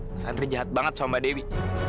mas andri jahat banget sama mbak dewi